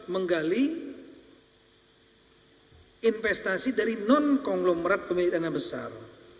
menggali investasi dari non konglomerat pemerintah besar